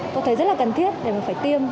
tôi thấy rất là cần thiết để mình phải tiêm